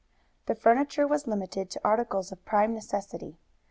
The furniture was limited to articles of prime necessity.